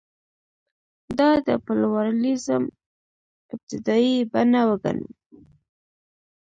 دا د پلورالېزم ابتدايي بڼه وګڼو.